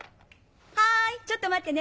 はいちょっと待ってね。